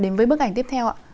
đến với bức ảnh tiếp theo ạ